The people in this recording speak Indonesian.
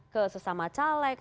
ke sesama caleg